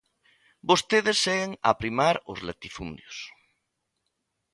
Vostedes seguen a primar os latifundios.